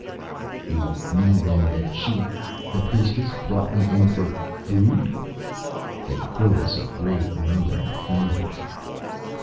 "You mean then, that she the priestess brought me in for food?" A chorus of grave, murmuring affirmatives.